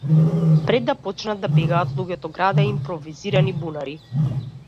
Пред да почнат да бегаат, луѓето градеа импровизирани бунари.